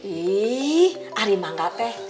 ih hari mangga teh